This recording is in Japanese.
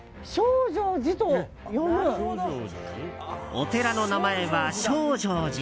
お寺の名前は、證誠寺。